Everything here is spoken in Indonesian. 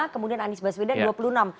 kemudian anies baswedan dua puluh enam